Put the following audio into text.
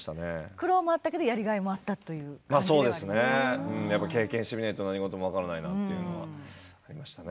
苦労もあったけどやりがいもあった経験してみないと何事も分からないなというのがありましたね。